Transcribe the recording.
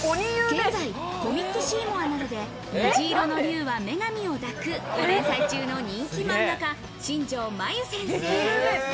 現在、コミックシーモアなどで『虹色の龍は女神を抱く』を連載中の人気漫画家、新條まゆ先生。